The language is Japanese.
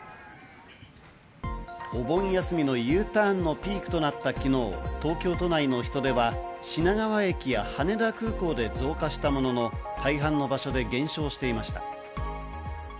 お盆休みのＵターンのピークとなった昨日、東京都内の人出は品川駅や羽田空港で増加したものの大半の場所で減少していました。